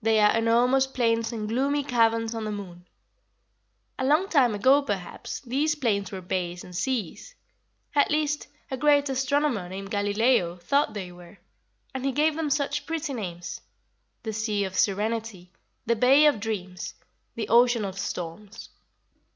They are enormous plains and gloomy caverns on the moon. A long time ago, perhaps, these plains were bays and seas. At least, a great astronomer named Galileo thought they were, and he gave them such pretty names the Sea of Serenity, the Bay of Dreams, the Ocean of Storms.